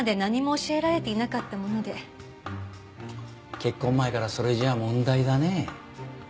結婚前からそれじゃ問題だね。